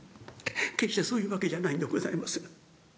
決してそういうわけじゃないんでございまする。